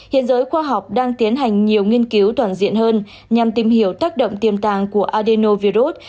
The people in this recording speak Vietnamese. hiện giới khoa học đang tiến hành nhiều nghiên cứu toàn diện hơn nhằm tìm hiểu tác động tiềm tàng của adenovirus